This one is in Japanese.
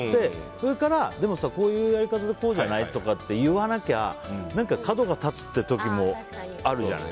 それから、でもさこういうやり方でこうじゃない？って言わなきゃ角が立つって時もあるじゃない？